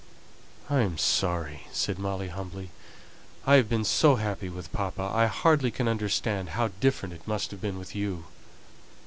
"I am sorry," said Molly, humbly, "I have been so happy with papa. I hardly can understand how different it must have been with you."